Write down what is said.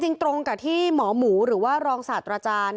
ตรงกับที่หมอหมูหรือว่ารองศาสตราจารย์